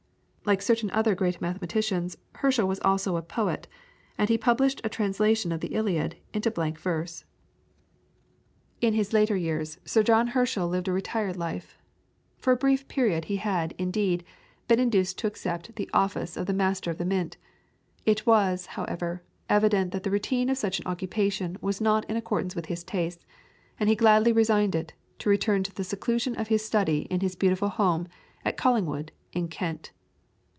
Like certain other great mathematicians Herschel was also a poet, and he published a translation of the Iliad into blank verse. In his later years Sir John Herschel lived a retired life. For a brief period he had, indeed, been induced to accept the office of Master of the Mint. It was, however, evident that the routine of such an occupation was not in accordance with his tastes, and he gladly resigned it, to return to the seclusion of his study in his beautiful home at Collingwood, in Kent.